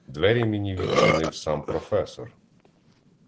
Двері мені відчинив сам професор.